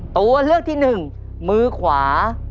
ตัวเลือกที่หนึ่งมือขวา